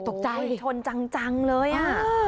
โอ้ยโถกใจโถงจังเลยอ่ะ